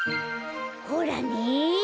ほらね。